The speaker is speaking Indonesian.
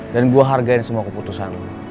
dan gue hargain semua keputusan lo